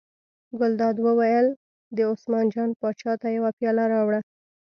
ګلداد وویل: دې عثمان جان پاچا ته یوه پیاله راوړه.